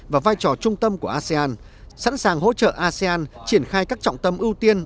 và vai trò trung tâm của asean sẵn sàng hỗ trợ asean triển khai các trọng tâm ưu tiên